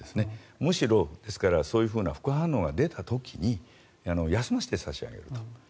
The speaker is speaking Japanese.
むしろそういうふうな副反応が出た時に休ませて差し上げると。